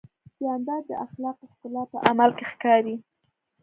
جانداد د اخلاقو ښکلا په عمل کې ښکاري.